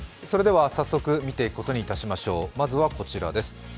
早速見ていくことにしましょう、まずはこちらです。